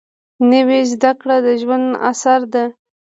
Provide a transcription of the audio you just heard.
نوې زده کړه د ژوند اسره ده